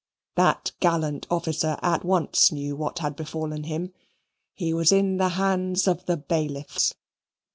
That gallant officer at once knew what had befallen him. He was in the hands of the bailiffs.